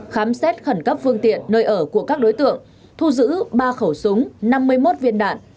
khám xét khẩn cấp phương tiện nơi ở của các đối tượng thu giữ ba khẩu súng năm mươi một viên đạn